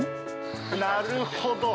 なるほど。